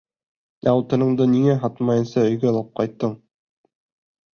Ә утыныңды ниңә һатмайынса өйгә алып ҡайттың?